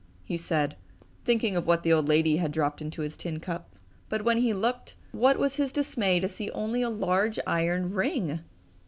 he said, thinking of what the old lady had dropped into his tin cup. But when he looked, what was his dismay to see only a large iron ring!